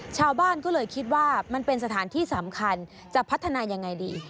ชาวบ้านก็เลยคิดว่ามันเป็นสถานที่สำคัญจะพัฒนายังไงดี